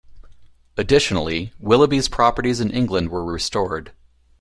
Additionally, Willoughby's properties in England were restored.